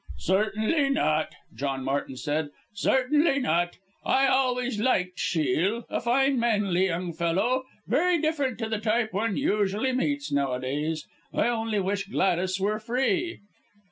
"Certainly not!" John Martin said, "certainly not, I always liked Shiel. A fine manly young fellow, very different to the type one usually meets nowadays. I only wish Gladys were free!"